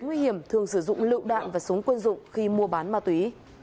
nguy hiểm thường sử dụng lựu đạn và súng quân dụng khi mua bán ma túy